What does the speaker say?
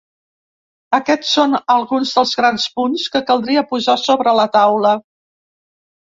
Aquests són alguns dels grans punts que caldria posar sobre la taula.